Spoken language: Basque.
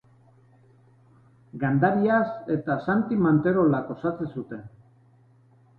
Gandarias eta Santi Manterolak osatzen zuten.